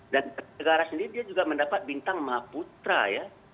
dan dari negara sendiri dia juga mendapat bintang maputra ya